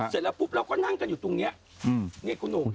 เสร็จแล้วปุ๊บเราก็นั่งกันอยู่ตรงนี้นี่คุณหนุ่ม